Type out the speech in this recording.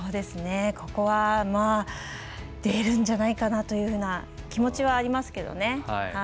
ここは出るんじゃないかなというような気持ちはありますけどね。